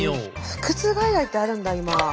腹痛外来ってあるんだ今。